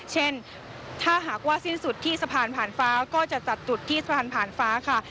เช่นถ้าหากว่าสิ้นสุดที่สะพานผ่านฟ้าก็จะจัดจุดที่สะพานผ่านฟ้าค่ะ